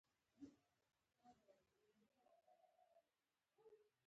د خط زده کوونکي وروسته منشي کېدل.